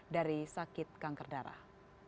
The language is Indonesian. dari sakit kanker darah